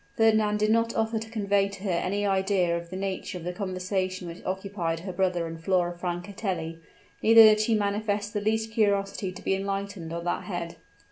Fernand did not offer to convey to her any idea of the nature of the conversation which occupied her brother and Flora Francatelli; neither did she manifest the least curiosity to be enlightened on that head.